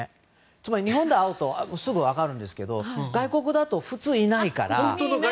つまり日本で会うとすぐ分かるんですけど外国だと普通いないから。